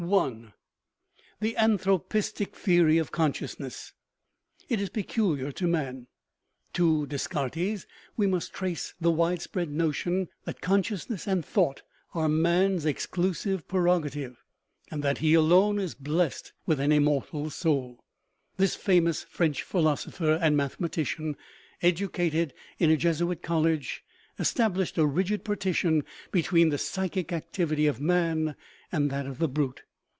I. The anthropistic theory of consciousness. It is pe culiar to man. To Descartes we must trace the wide spread notion that consciousness and thought are man's exclusive prerogative, and that he alone is blessed with an " immortal soul/' This famous French philosopher and mathematician (educated in a Jesuit College) es i tablished a rigid partition between the psychic activity of man and that of the brute.